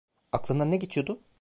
Aklından ne geçiyordu?